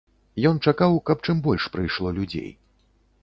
Ён чакаў, каб чым больш прыйшло людзей.